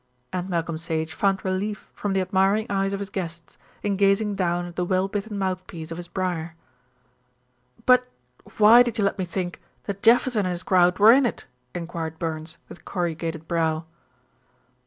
And Malcolm Sage found relief from the admiring eyes of his guests in gazing down at the well bitten mouthpiece of his briar. "But why did you let me think that Jefferson and his crowd were in it?" enquired Burns, with corrugated brow.